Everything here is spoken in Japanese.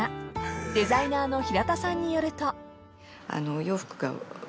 ［デザイナーの平田さんによると］